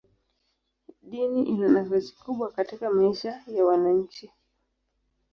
Dini ina nafasi kubwa katika maisha ya wananchi.